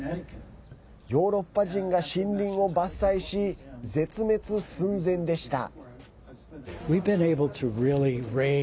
ヨーロッパ人が森林を伐採し絶滅寸前でした。